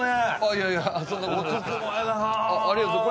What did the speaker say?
いやいやそんなことないです